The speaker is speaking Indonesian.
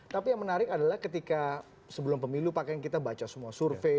tapi yang menarik adalah ketika sebelum pemilu pakaian kita baca semua survei